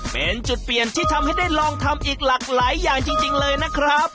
เป็นจุดเปลี่ยนที่ทำให้ได้ลองทำอีกหลากหลายอย่างจริงเลยนะครับ